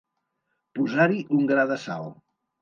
Posar-hi un gra de sal.